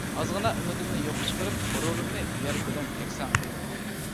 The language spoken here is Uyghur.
ئازغىنە ئۈمىدىمنى يوققا چىقىرىپ، غۇرۇرۇمنى يەر بىلەن يەكسان قىلدى.